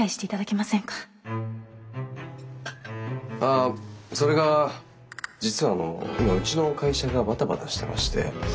あそれが実はあの今うちの会社がバタバタしてまして。